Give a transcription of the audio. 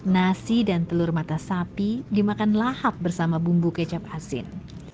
nasi dan telur mata sapi dimakan lahap bersama bumbu kecap asin